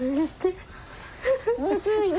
むずいね。